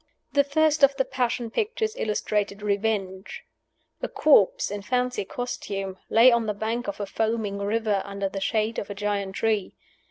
The first of the Passion pictures illustrated Revenge. A corpse, in fancy costume, lay on the bank of a foaming river, under the shade of a giant tree.